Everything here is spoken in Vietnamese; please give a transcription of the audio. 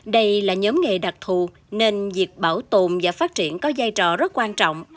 đây là nhóm nghề đặc thù nên việc bảo tồn và phát triển có giai trò rất quan trọng